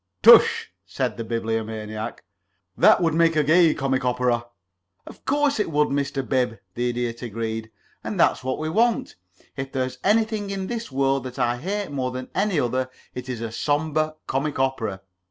"Tush!" said the Bibliomaniac. "That would make a gay comic opera." "Of course it would, Mr. Bib," the Idiot agreed. "And that's what we want. If there's anything in this world that I hate more than another it is a sombre comic opera.